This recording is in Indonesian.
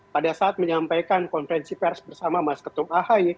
pada saat menyampaikan konferensi pers bersama mas ketua ahi